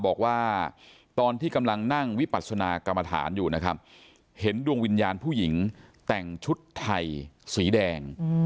บอกว่าตอนที่กำลังนั่งวิปัสนากรรมฐานอยู่นะครับเห็นดวงวิญญาณผู้หญิงแต่งชุดไทยสีแดง